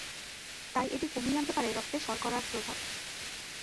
তাই এটি কমিয়ে আনতে পারে রক্তে শর্করার প্রভাব।